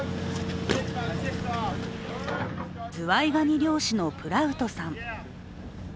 ズワイガニ漁師のプラウトさん。